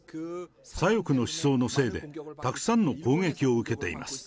左翼の思想のせいで、たくさんの攻撃を受けています。